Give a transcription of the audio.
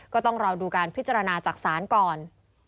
ก็ต้องรอดูการพิจารณาจากศาลก่อน